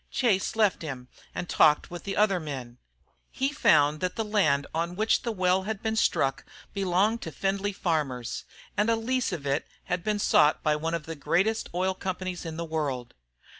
Chase left him and talked with the other men. He found that the land on which the well had been struck belonged to Findlay farmers, and a lease of it had been sought by one of the greatest oil companies in the world.